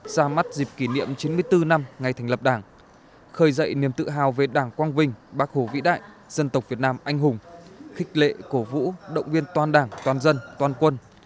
ra mắt dịp kỷ niệm chín mươi bốn năm ngày thành lập đảng khởi dậy niềm tự hào về đảng quang vinh bác hồ vĩ đại dân tộc việt nam anh hùng khích lệ cổ vũ động viên toàn đảng toàn dân toàn quân